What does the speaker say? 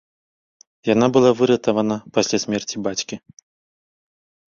Яна была выратавана пасля смерці бацькі.